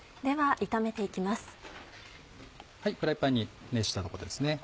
では炒めて行きます。